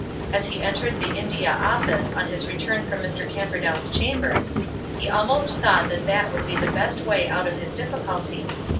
As he entered the India Office on his return from Mr. Camperdown's chambers, he almost thought that that would be the best way out of his difficulty.